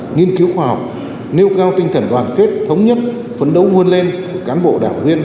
nghiên cứu khoa học nêu cao tinh thần đoàn kết thống nhất phấn đấu vươn lên của cán bộ đảng viên